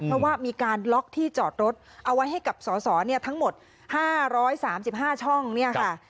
เพราะว่ามีการล็อกที่จอดรถเอาไว้ให้กับสอสอทั้งหมด๕๓๕ช่องเนี่ยค่ะ